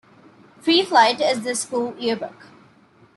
"FreeFlight" is the school yearbook.